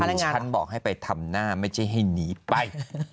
ที่ฉันบอกให้ไปทำหน้าไม่ใช่ให้หนีไป